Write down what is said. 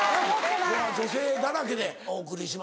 今日は女性だらけでお送りします。